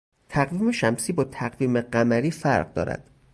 تقویم شمسی با تقویم قمری فرق دارد.